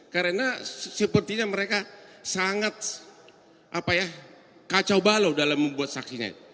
karena sepertinya mereka sangat kacau balau dalam membuat saksinya